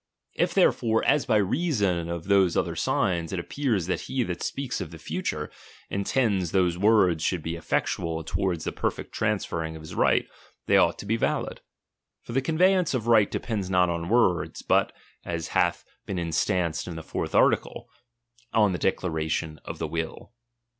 If there fore, as by reason of those other signs, it appear that he that speaks of the future, intends those words should, be effectual toward the perfect transferring of Ms right, they ought to be valid. For the con veyance of right depends not on words, but, as Uath been instanced in the fourth article, on the declaration of the will.